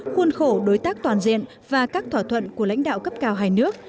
khuôn khổ đối tác toàn diện và các thỏa thuận của lãnh đạo cấp cao hai nước